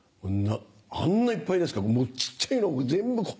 あんないっぱいですからもう小っちゃいのも全部こう。